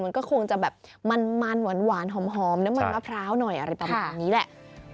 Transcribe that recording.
มันก็คงจะแบบมันหวานหอมน้ำมันมะพร้าวหน่อยอะไรประมาณนี้แหละ